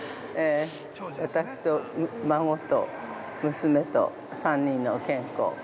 私と孫と娘と３人の健康。